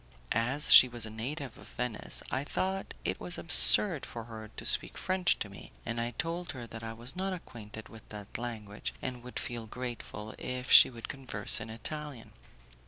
As she was a native of Venice, I thought it was absurd for her to speak French to me, and I told her that I was not acquainted with that language, and would feel grateful if she would converse in Italian.